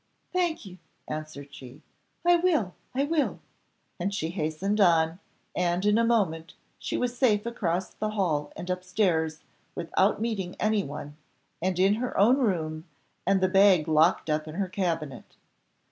"Thank you," answered she; "I will, I will!" and she hastened on, and in a moment she was safe across the hall and upstairs, without meeting any one, and in her own room, and the bag locked up in her cabinet.